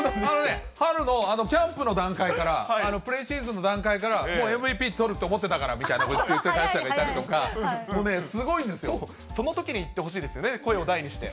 春のキャンプの段階から、プレシーズンの段階から、ＭＶＰ取ると思ってたっていう解説者がいたりとか、すごいんですそのときに言ってほしいですよね、声を大にして。